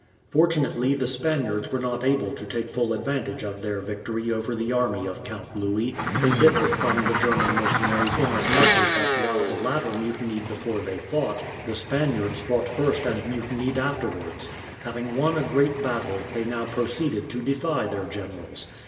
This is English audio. Fortunately the Spaniards were not able to take full advantage of their victory over the army of Count Louis. They differed from the German mercenaries inasmuch that while the latter mutinied before they fought, the Spaniards fought first and mutinied afterwards. Having won a great battle, they now proceeded to defy their generals.